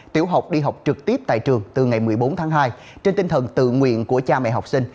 tiểu học đi học trực tiếp tại trường từ ngày một mươi bốn tháng hai trên tinh thần tự nguyện của cha mẹ học sinh